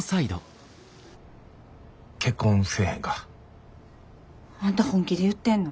結婚せえへんか。あんた本気で言ってんの？